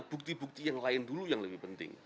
bukti bukti yang lain dulu yang lebih penting